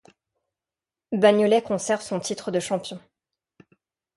Bagnolet conserve son titre de champion.